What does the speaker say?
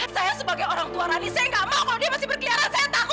saya akan masukkan kamu ke dalam penjara anak anak